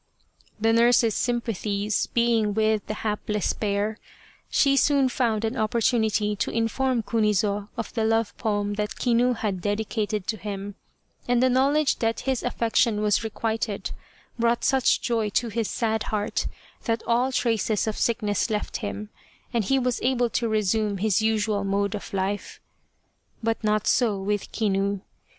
The nurse's sympathies being with the hapless pair, she soon found an opportunity to inform Kunizo of the love poem that Kinu had dedicated to him, and the knowledge that his affection was requited brought such joy to his sad heart that all traces of sickness left him, and he was able to resume his usual mode of life. But not so with Kinu.